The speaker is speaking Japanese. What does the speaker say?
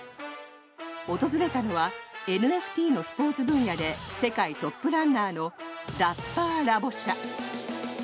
訪れたのはＮＦＴのスポーツ分野で世界トップランナーのダッパーラボ社。